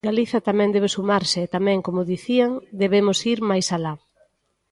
Galiza tamén debe sumarse e tamén, como dicían, debemos ir máis alá.